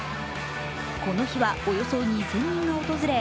この日はおよそ２０００人が訪れ